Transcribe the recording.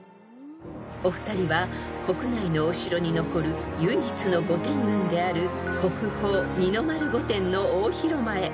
［お二人は国内のお城に残る唯一の御殿群である国宝二の丸御殿の大広間へ］